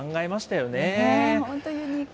本当、ユニーク。